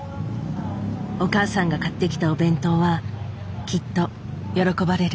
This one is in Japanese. お母さんが買ってきたお弁当はきっと喜ばれる。